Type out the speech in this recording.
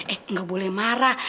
eh gak boleh marah